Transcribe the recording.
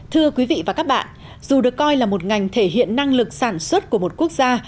thưa quý vị và các bạn dù được coi là một ngành thể hiện năng lực sản xuất của một quốc gia